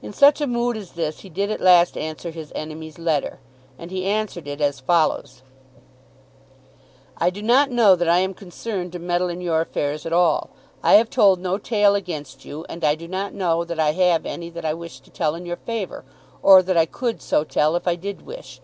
In such a mood as this he did at last answer his enemy's letter, and he answered it as follows: I do not know that I am concerned to meddle in your affairs at all. I have told no tale against you, and I do not know that I have any that I wish to tell in your favour, or that I could so tell if I did wish.